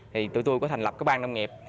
thì tụi tôi có thành lập cái ban nông nghiệp